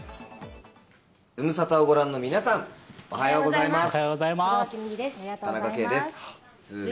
ズムサタをご覧の皆さん、おはようございます。